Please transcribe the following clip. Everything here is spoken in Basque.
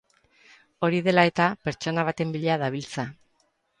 Hori dela eta, pertsona baten bila dabiltza.